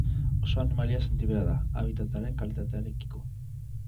Oso animalia sentibera da habitataren kalitatearekiko.